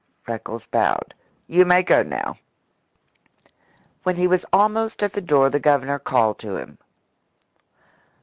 Freckles bowed. "You may go now." When he was almost at the door the Governor called to him.